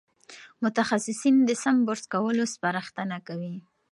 متخصصین د سم برس کولو سپارښتنه کوي.